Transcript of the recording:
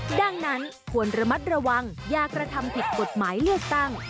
ดังนั้นควรระมัดระวังอย่ากระทำผิดกฎหมายเลือกตั้ง